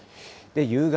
夕方。